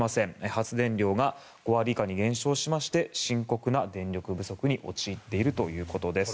発電量が５割以下に減少しまして深刻な電力不足に陥っているということです。